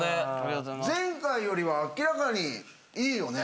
前回よりは明らかにいいよね。